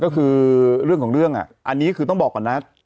ก็คือเรื่องของเรื่องอันนี้คือต้องบอกก่อนนะ